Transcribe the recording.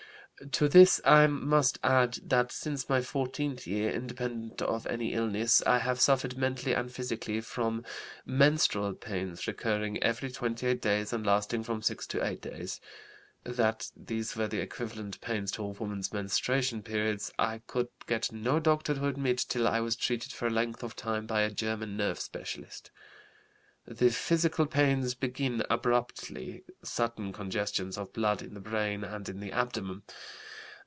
"To this I must add that since my fourteenth year, independent of any illness, I have suffered mentally and physically from menstrual pains recurring every twenty eight days and lasting from six to eight days. That these were the equivalent pains to a woman's menstruation periods I could get no doctor to admit till I was treated for a length of time by a German nerve specialist. "The physical pains begin abruptly. Sudden congestions of blood in the brain and in the abdomen.